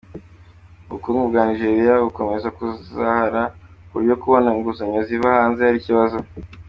Ubukungu bwa Nigeria bukomeje kuzahara, ku buryo kubona inguzanyo ziva hanze ari ikibazo.